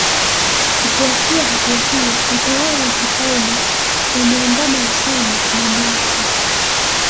Kufuatia hatua hiyo utawala wa kifalme ukamuandama Osama na mwaka